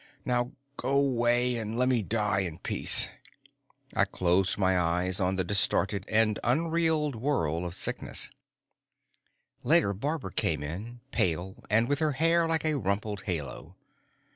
Now go 'way and lemme die in peace." I closed my eyes on the distorted and unreal world of sickness. Later Barbara came in, pale and with her hair like a rumpled halo.